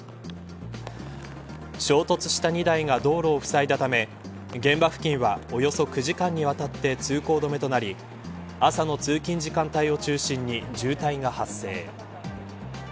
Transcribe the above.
衝突した２台が道路をふさいだため現場付近はおよそ９時間にわたって通行止めとなり朝の通勤時間帯を中心に渋滞が発生。